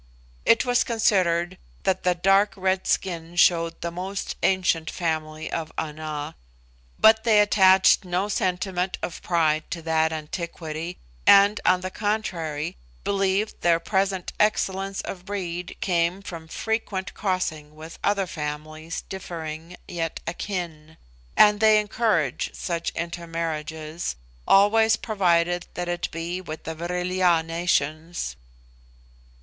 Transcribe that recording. It was considered that the dark red skin showed the most ancient family of Ana; but they attached no sentiment of pride to that antiquity, and, on the contrary, believed their present excellence of breed came from frequent crossing with other families differing, yet akin; and they encourage such intermarriages, always provided that it be with the Vril ya nations.